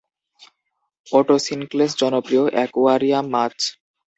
Otocinclus জনপ্রিয় aquarium মাছ।